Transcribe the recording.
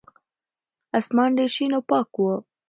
اسمان ډېر شین او پاک و.